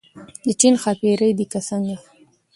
د چین ښاپېرۍ دي که څنګه.